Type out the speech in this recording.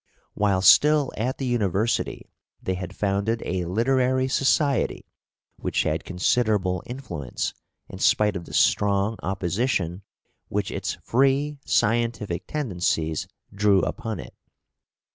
While still at the university they had founded a literary society which had considerable influence in spite of the strong opposition which its free scientific tendencies drew upon it.